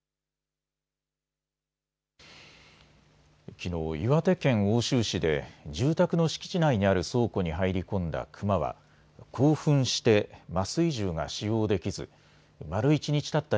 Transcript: きのう岩手県奥州市で住宅の敷地内にある倉庫に入り込んだクマは興奮して麻酔銃が使用できず丸一日たった